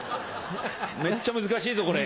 めっちゃ難しいぞこれ。